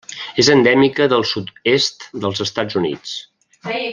És endèmica del sud-est dels Estats Units.